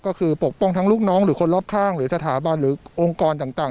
ก็คือปกป้องทั้งลูกน้องหรือคนรอบข้างหรือสถาบันหรือองค์กรต่าง